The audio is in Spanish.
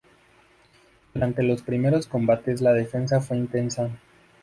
Durante los primeros combates la defensa fue intensa.